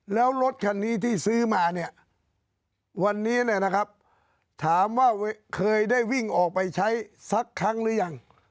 แล้วรถคันนี้ที่ซื้อมาเนี่ยวันนี้นะครับถามว่าเคยได้วิ่งออกไปใช้สักครั้งหรือยัง